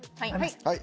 はい。